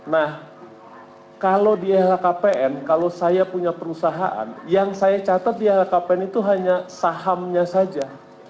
nah kalau di lhkpn kalau saya punya perusahaan yang saya catat di lhkpn itu hanya sahamnya saja